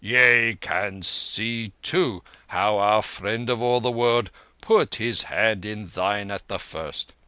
Yea, can see, too, how our Friend of all the World put his hand in thine at the first.